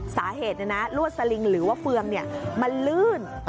สาเหตุลวดสลิงหรือว่าเฟืองมันลื่น